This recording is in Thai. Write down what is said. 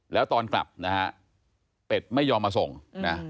แล้วตอนกลับนะฮะเป็ดไม่ยอมมาส่งนะ